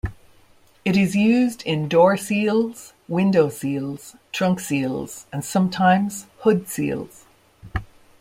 It is used in door seals, window seals, trunk seals, and sometimes hood seals.